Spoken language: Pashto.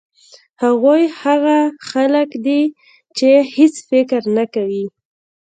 هغوی هغه خلک دي چې هېڅ فکر نه کوي.